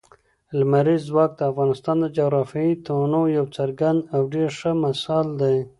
لمریز ځواک د افغانستان د جغرافیوي تنوع یو څرګند او ډېر ښه مثال دی.